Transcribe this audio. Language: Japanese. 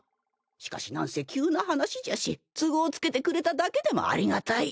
しかしなんせ急な話じゃし都合つけてくれただけでもありがたい。